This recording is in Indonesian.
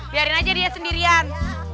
biarin aja dia sendirian